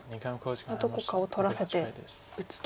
どこかを取らせて打つと。